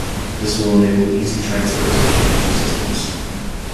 This will enable easy transfers between the two systems.